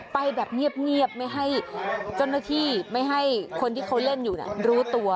ไปแบบเงียบไม่ให้เจ้าหน้าที่ไม่ให้คนที่เขาเล่นอยู่รู้ตัว